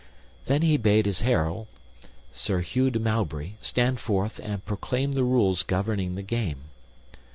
Then he bade his herald Sir Hugh de Mowbray stand forth and proclaim the rules governing the game.